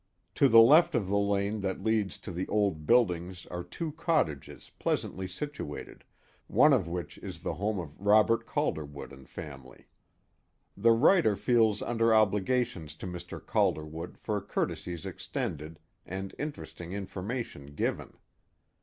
To the left of the lane that leads to the old buildings are two cottages pleasantly situated, one of which is the home of Robert Calderwood and family. The writer feels under obligations to Mr. Calderwood for courtesies ex tended and interesting information given.